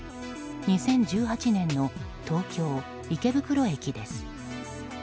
２０１８年の東京・池袋駅です。